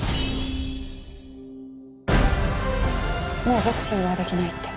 もうボクシングはできないって。